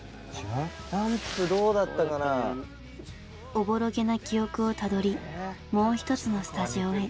おぼろげな記憶をたどりもう一つのスタジオへ。